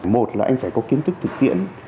một là anh phải có kiến thức thực tiễn